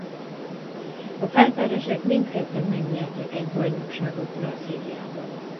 A felperesek mindketten megnyertek egy bajnokságot Brazíliában.